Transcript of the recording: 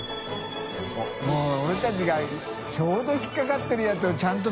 發俺たちがちょうど引っかかってるやつを舛磴鵑反